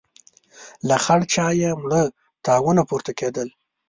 له خړ چايه مړه تاوونه پورته کېدل.